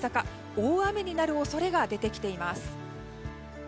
大雨になる恐れが出てきています。